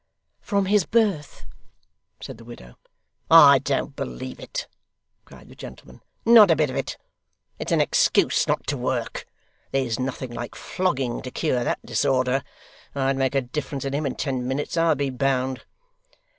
'From his birth,' said the widow. 'I don't believe it,' cried the gentleman, 'not a bit of it. It's an excuse not to work. There's nothing like flogging to cure that disorder. I'd make a difference in him in ten minutes, I'll be bound.